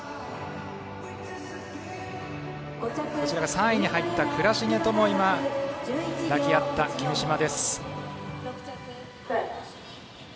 ３位に入った藏重とも抱き合った君嶋です。